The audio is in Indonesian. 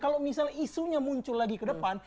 kalau misalnya isunya muncul lagi ke depan